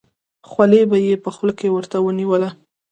خولۍ به یې په خوله کې ورته ونیوله.